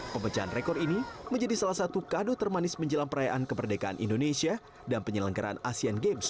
pemecahan rekor ini menjadi salah satu kado termanis menjelam perayaan kemerdekaan indonesia dan penyelenggaraan asean games dua ribu delapan belas